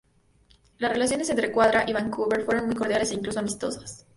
Las relaciones entre Quadra y Vancouver fueron muy cordiales e incluso amistosas.